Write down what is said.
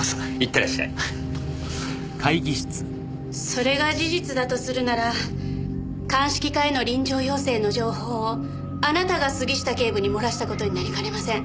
それが事実だとするなら鑑識課への臨場要請の情報をあなたが杉下警部に漏らした事になりかねません。